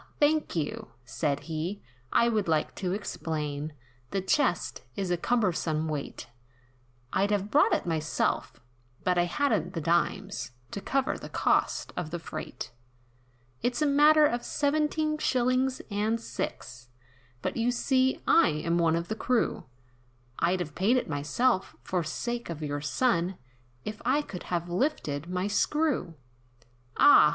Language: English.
thank you," said he, "I would like to explain, The chest, is a cumbersome weight, I'd have brought it myself; but I hadn't the dimes, To cover the cost of the freight. "It's a matter of seventeen shillings and six, But you see, I am one of the crew, I'd have paid it myself, for sake of your son, If I could have lifted my screw." "Ah!